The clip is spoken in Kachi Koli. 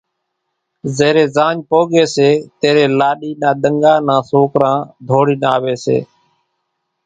زيرين زاڃ پوڳيَ سي تيرين لاڏِي نا ۮنڳا نان سوڪران ڌوڙينَ آويَ سي۔